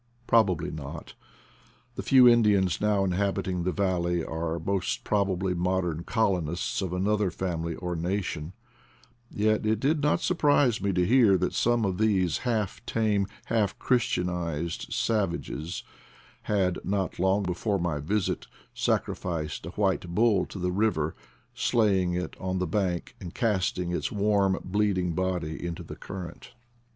Probably not; the few Indians now inhabiting the valley are most probably modern colonists of an other family or nation; yet it did not surprise me to hear that some of these half tame, half chris tianized savages had, not long before my visit, sacrificed a white bull to the river, slaying it on the bank and casting its warm, bleeding body into the current.